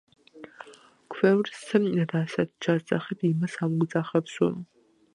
ქვევრს რასაც ჩასძახებ, იმას ამოგძახებსო.